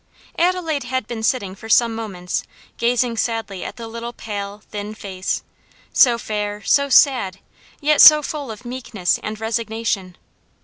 Adelaide had been sitting for some moments gazing sadly at the little pale, thin face, so fair, so sad, yet so full of meekness and resignation.